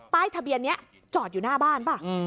ทะเบียนนี้จอดอยู่หน้าบ้านป่ะ